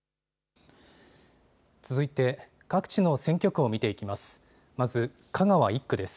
続いて各地の選挙区を見ていきます。